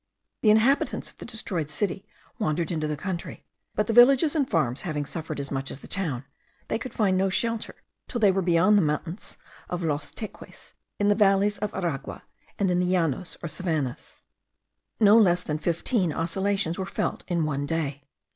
The inhabitants of the destroyed city wandered into the country; but the villages and farms having suffered as much as the town, they could find no shelter till they were beyond the mountains of los Teques, in the valleys of Aragua, and in the llanos or savannahs. No less than fifteen oscillations were felt in one day.